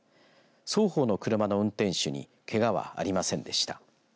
双方の車の運転手にけがはありませんでした。